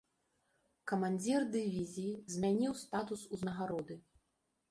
Камандзір дывізіі змяніў статус ўзнагароды.